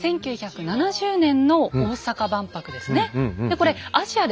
１９７０年の大阪万博ですね。